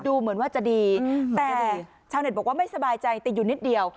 ดูเหมือนว่าจะดีแต่ชาวเน็ตบอกว่าไม่สบายใจติดอยู่นิดเดียว